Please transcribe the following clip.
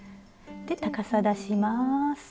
で高さ出します。